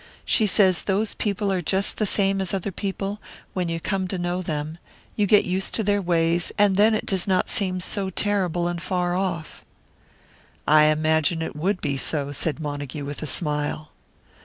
She says those people are just the same as other people, when you come to know them; you get used to their ways, and then it does not seem so terrible and far off." "I imagine it would be so," said Montague, with a smile.